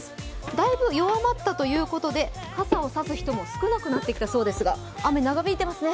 だいぶ弱まったということで傘を差す人も少なくなってきたそうですが、雨、長引いてますね。